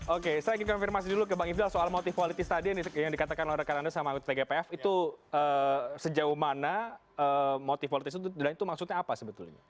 oke saya ingin konfirmasi dulu ke bang ifdal soal motif politis tadi yang dikatakan oleh rekan anda sama tgpf itu sejauh mana motif politis itu dan itu maksudnya apa sebetulnya